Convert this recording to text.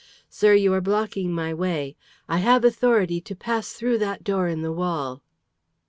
"Sir, you are blocking my way. I have authority to pass through that door in the wall."